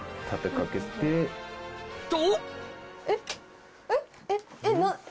と！